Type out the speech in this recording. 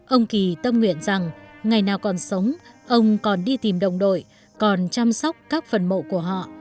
ông kỳ tâm nguyện rằng ngày nào còn sống ông còn đi tìm đồng đội còn chăm sóc các phần mộ của họ